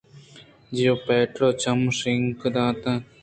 جیوپیٹر ءَ چم شانک دات اَنت